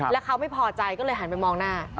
แล้วเขาไม่พอใจก็เลยหันไปมองหน้า